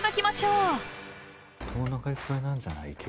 おなかいっぱいなんじゃない？